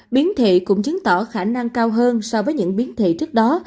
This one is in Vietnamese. biến thể cũng chứng tỏ khả năng cao hơn so với những biến thể trước đó